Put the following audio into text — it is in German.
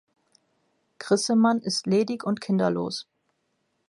Grissemann ist ledig und kinderlos.